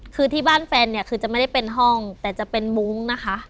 คือที่บ้านแฟนเนี่ยคือจะไม่ได้เป็นห้องแต่จะเป็นมุ้งนะคะ